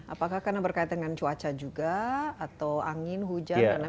apakah karena berkaitan dengan cuaca juga atau angin hujan